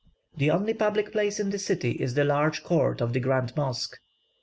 The only public place in the city is the large court of the Grand Mosque.